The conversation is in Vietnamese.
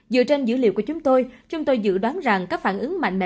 dựa trên dữ liệu của chúng tôi chúng tôi dự đoán rằng các phản ứng mạnh mẽ